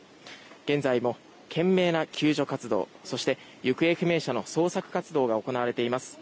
現在も懸命な救助活動そして、行方不明者の捜索活動が行われています。